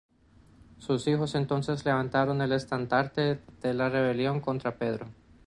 Sus hijos entonces levantaron el estandarte de la rebelión contra Pedro.